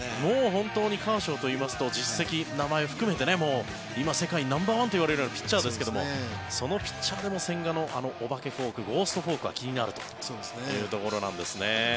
本当にカーショウといいますと実績、名前を含めて今、世界ナンバーワンと呼ばれるピッチャーですがそのピッチャーでも千賀のあのお化けフォークゴーストフォークは気になるというところなんですね。